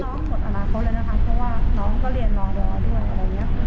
เพราะน้องหมดอาลาเพราะว่าน้องก็เรียนรอดีด้วย